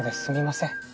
すみません。